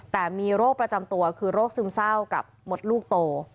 แต่มีโรคประจำตัวคือโรคซึมเศร้ากับมดลูกโต